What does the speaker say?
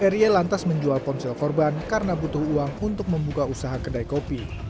r y lantas menjual ponsel korban karena butuh uang untuk membuka usaha kedai kopi